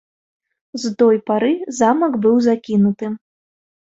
З той пары замак быў закінуты.